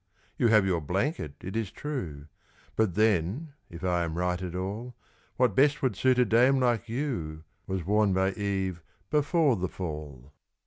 You have your blanket, it is true; But then, if I am right at all, What best would suit a dame like you Was worn by Eve before the Fall.